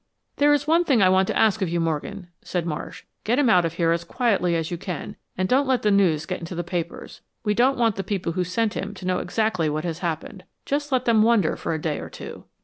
"There is one thing I want to ask of you, Morgan," said Marsh. "Get him out of here as quietly as you can, and don't let the news get into the papers. We don't want the people who sent him to know exactly what has happened. Just let them wonder for a day or two."